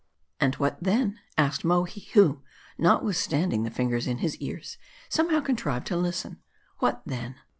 " And what then ?" asked Mohi, who, notwithstanding the fingers in his ears, somehow contrived to listen ; "What then